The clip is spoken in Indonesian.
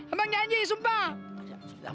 abang janji sumpah